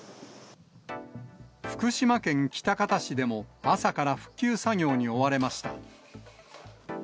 福島県喜多方市でも、朝から復旧作業に追われました。